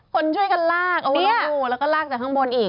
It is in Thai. คนช่วยกันลากเอาไว้แล้วก็ลากจากข้างบนอีก